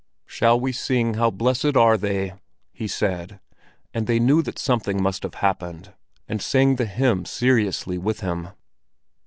"Shall we sing 'How blessed are they'?" he said; and they knew that something must have happened, and sang the hymn seriously with him.